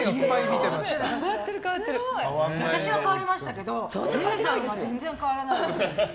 私は変わりましたけど寧々さんは、全然変わらないです。